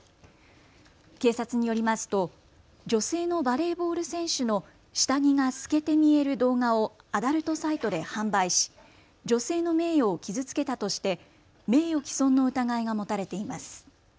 警察によりますと女性のバレーボール選手の下着が透けて見える動画をアダルトサイトで販売し女性の名誉を傷つけたとして名誉毀損の疑いが持たれています。